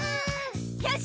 よし！